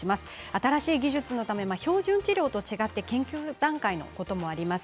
新しい技術のため標準治療と違って研究段階のこともあります。